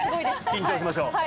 緊張しましょう。